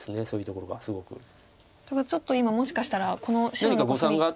そういうところはすごく。ということはちょっと今もしかしたらこの白のコスミ。